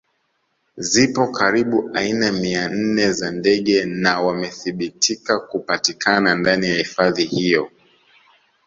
Zipo karibu aina mia nne za ndege na wamethibitika kupatikana ndani ya hifadhi hiyo